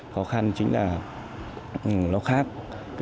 khó khăn chính là lúc khác